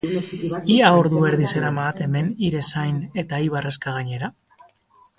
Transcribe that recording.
Ia ordu erdi zeramaat hemen hire zain eta hi barrezka gainera?